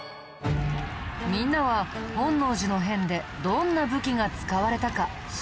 みんなは本能寺の変でどんな武器が使われたか知ってる？